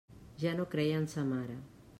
Ja no creia en sa mare.